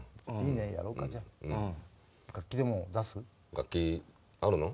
楽器あるの？